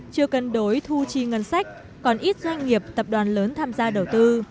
chưa cần đối thu tri ngân sách còn ít doanh nghiệp tập đoàn lớn tham gia đầu tư